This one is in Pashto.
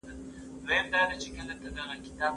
زحمت ایست